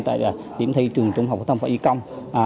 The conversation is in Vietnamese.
tại điểm thi trường trung học của tông phạm y công